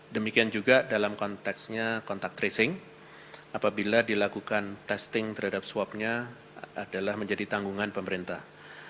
demikian juga dalam konteksnya kontak tracing apabila dilakukan testing terhadap swabnya adalah menjadi tanggungan pemerintah